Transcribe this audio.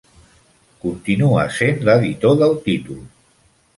Continua sent l'editor del títol.